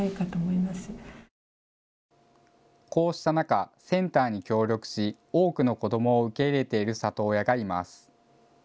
こうした中、センターに協力し多くの子どもを受け入れている里親がいます。